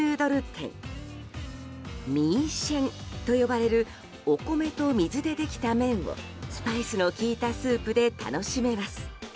米線と呼ばれるお米と水でできた麺をスパイスの効いたスープで楽しめます。